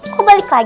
kok balik lagi